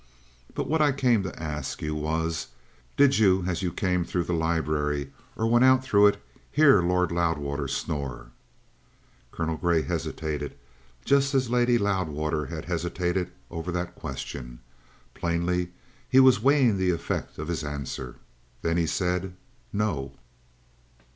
But what I came to ask you was: Did you, as you came through the library or went out through it, hear Lord Loudwater snore?" Colonel Grey hesitated, just as Lady Loudwater had hesitated over that question. Plainly he was weighing the effect of his answer. Then he said: "No."